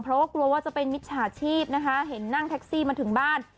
เพราะว่ากลัวว่าจะเป็นมิจฉาชีพนะคะเห็นนั่งแท็กซี่มาถึงบ้าน